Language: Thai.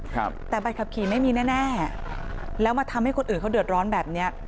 ครับแต่ใบขับขี่ไม่มีแน่แน่แล้วมาทำให้คนอื่นเขาเดือดร้อนแบบเนี้ย